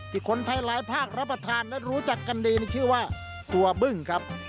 ที่คนไทยหลายภาครับประทานและรู้จักกันดีในชื่อว่าตัวบึ้งครับ